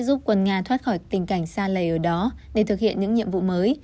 giúp quân nga thoát khỏi tình cảnh xa lầy ở đó để thực hiện những nhiệm vụ mới